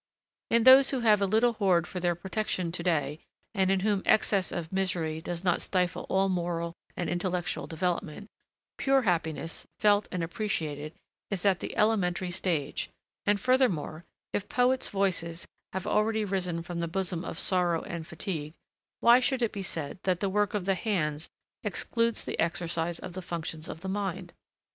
In those who have a little hoard for their protection to day, and in whom excess of misery does not stifle all moral and intellectual development, pure happiness, felt and appreciated, is at the elementary stage; and, furthermore, if poets' voices have already arisen from the bosom of sorrow and fatigue, why should it be said that the work of the hands excludes the exercise of the functions of the mind?